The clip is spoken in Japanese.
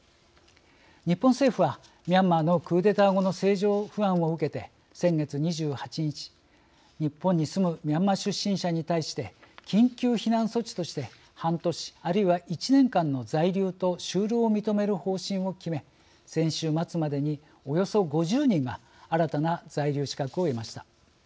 日本政府はミャンマーのクーデター後の政情不安を受けて先月２８日、日本に住むミャンマー出身者に対して緊急避難措置として半年、あるいは１年間の在留と就労を認める方針を決め先週末までに、およそ５０人が新たな在留資格を得ました。